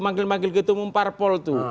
manggil manggil getung umparpol tuh